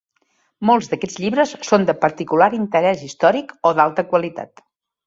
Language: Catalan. Molts d'aquests llibres són de particular interès històric o d'alta qualitat.